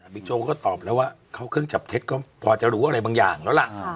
โจ๊ก็ตอบแล้วว่าเข้าเครื่องจับเท็จก็พอจะรู้อะไรบางอย่างแล้วล่ะ